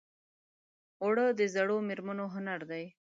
اوړه د زړو مېرمنو هنر دی